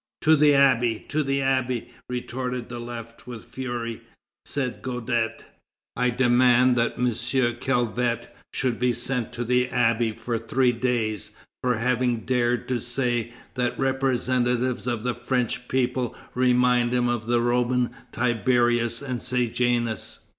"To the Abbey! to the Abbey!" retorted the left, with fury. Said Guadet: "I demand that M. Calvet should be sent to the Abbey for three days, for having dared to say that the representatives of the French people remind him of the Roman Tiberius and Sejanus."